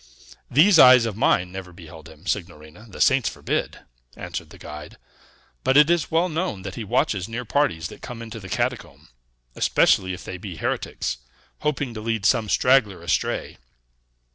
"These eyes of mine never beheld him, signorina; the saints forbid!" answered the guide. "But it is well known that he watches near parties that come into the catacomb, especially if they be heretics, hoping to lead some straggler astray.